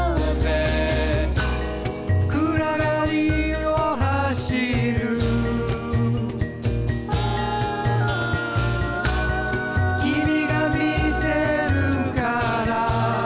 「暗がりを走る」「君が見てるから」